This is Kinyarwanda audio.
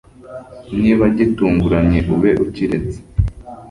Niba gitunguranye ube ukiretse